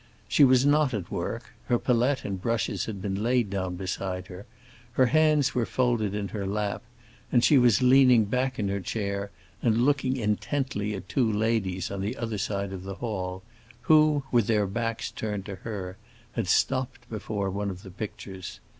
She was not at work; her palette and brushes had been laid down beside her, her hands were folded in her lap, and she was leaning back in her chair and looking intently at two ladies on the other side of the hall, who, with their backs turned to her, had stopped before one of the pictures.